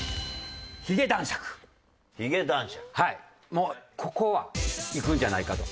もうここはいくんじゃないかと。